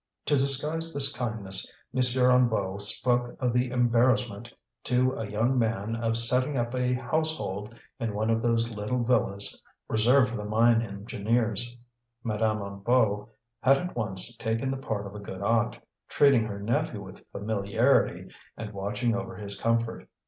To disguise this kindness M. Hennebeau spoke of the embarrassment to a young man of setting up a household in one of those little villas reserved for the mine engineers. Madame Hennebeau had at once taken the part of a good aunt, treating her nephew with familiarity and watching over his comfort.